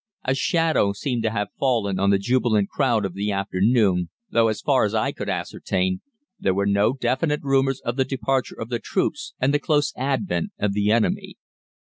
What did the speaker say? A shadow seemed to have fallen on the jubilant crowd of the afternoon, though, as far as I could ascertain, there were no definite rumours of the departure of the troops and the close advent of the enemy.